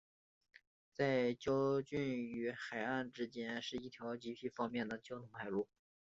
在礁群与海岸之间是一条极方便的交通海路。